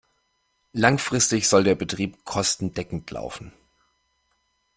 Langfristig soll der Betrieb kostendeckend laufen.